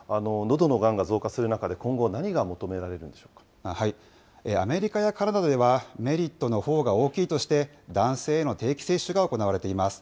どのがんが増加する中で、今後、何が求められるんでしょうアメリカやカナダでは、メリットのほうが大きいとして、男性への定期接種が行われています。